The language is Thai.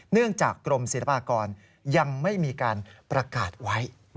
เนื่องจากกรมศิลปากรยังไม่มีการประกาศไว้